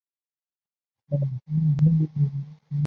绕回公车站